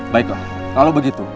baiklah kalau begitu